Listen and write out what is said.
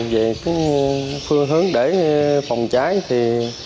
về phương hướng để phòng cháy thì